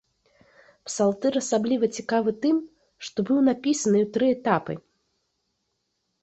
Псалтыр асабліва цікавы тым, што быў напісаны ў тры этапы.